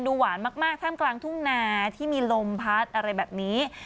หวานมากท่ามกลางทุ่งนาที่มีลมพัดอะไรแบบนี้